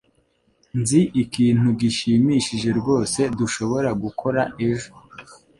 Nzi ikintu gishimishije rwose dushobora gukora ejo.